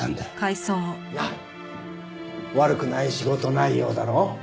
なあ悪くない仕事内容だろ？